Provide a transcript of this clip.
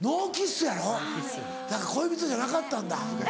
恋人じゃなかったんだ。